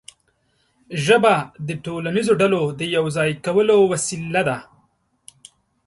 ژبه د ټولنیزو ډلو د یو ځای کولو وسیله ده.